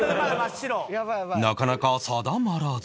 なかなか定まらず